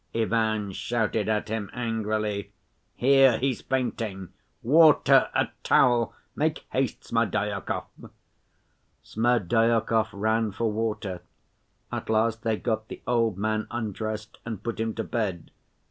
Ivan shouted at him angrily. "Here, he's fainting! Water! A towel! Make haste, Smerdyakov!" Smerdyakov ran for water. At last they got the old man undressed, and put him to bed.